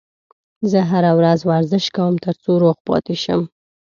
زه هره ورځ ورزش کوم ترڅو روغ پاتې شم